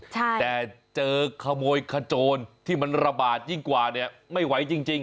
แต่เจอขโมยขโจนที่ระบาดยิ่งกว่าไม่ไหวจริง